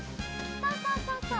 そうそうそうそう！